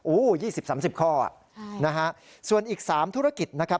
โอ้โห๒๐๓๐ข้อนะฮะส่วนอีก๓ธุรกิจนะครับ